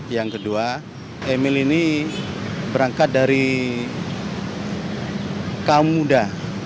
yang kedua emil ini berangkat dari kaum muda